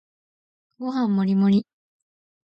ご飯もりもり